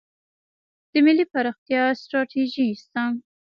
د ملي پراختیا ستراتیژي شته؟